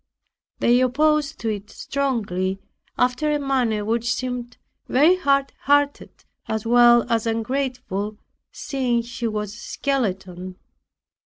They opposed it strongly, after a manner which seemed very hard hearted as well as ungrateful, seeing she was a skeleton.